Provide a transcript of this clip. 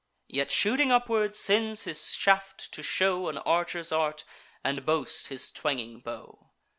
Yet, shooting upward, sends his shaft, to show An archer's art, and boast his twanging bow.